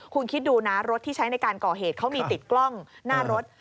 คุณคิดดูนะรถที่ใช้ในการก่อเหตุเขามีติดกล้องหน้ารถ